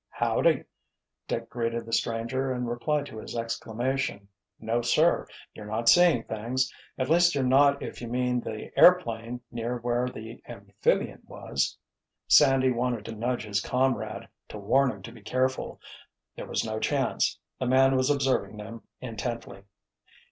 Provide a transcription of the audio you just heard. "Howdy!" Dick greeted the stranger and replied to his exclamation. "No, sir, you're not seeing things! At least you're not if you mean the airplane near where the amphibian was——" Sandy wanted to nudge his comrade, to warn him to be careful. There was no chance; the man was observing them intently.